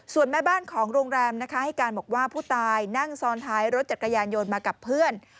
ส่วนแม่บ้านของโรงแรมนะคะให้การบอกว่าผู้ตายนั่งซ้อนท้ายรถจักรยานยนต์มากับเพื่อน